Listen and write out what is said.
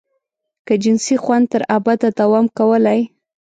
که جنسي خوند تر ابده دوام کولای.